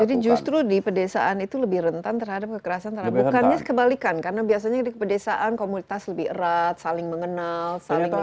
jadi justru di pedesaan itu lebih rentan terhadap kekerasan di tanah bukannya kebalikan karena biasanya di pedesaan komunitas lebih erat saling mengenal saling melindungi